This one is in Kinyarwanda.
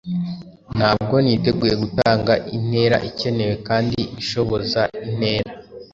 Ntabwo niteguye gutanga intera ikenewe kandi ishoboza intera-